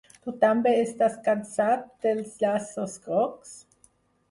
Tu també estàs cansat dels llaços grocs?